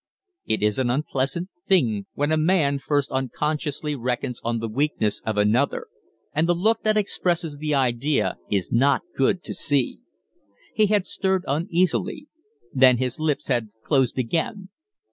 It is an unpleasant thing when a man first unconsciously reckons on the weakness of another, and the look that expresses the idea is not good to see. He had stirred uneasily; then his lips had closed again.